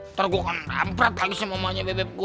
ntar gue akan rempret lagi sama mamanya bebek gue